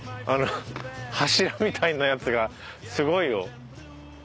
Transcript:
あの柱みたいなやつがすごいよ。